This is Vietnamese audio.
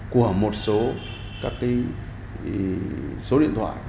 của một số các cái số điện thoại